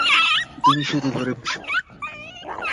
তুমি শুধু ধরে বসো।